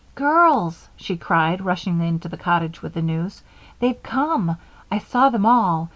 "Girls!" she cried, rushing into the cottage with the news. "They've come. I saw them all.